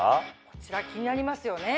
こちら気になりますよね。